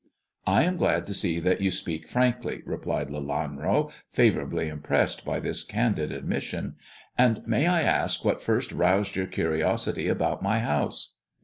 "I am glad to see that you speak frankly," replied Lelanro, favourably impressed by this candid admission. " And may I ask what first roused your curiosity about my house